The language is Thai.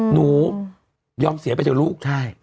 หนูยอมเสียไปจากลูก